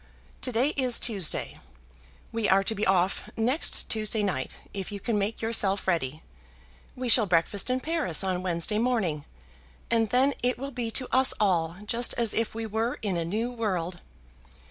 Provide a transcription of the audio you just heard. To day is Tuesday. We are to be off next Tuesday night, if you can make yourself ready. We shall breakfast in Paris on Wednesday morning, and then it will be to us all just as if we were in a new world.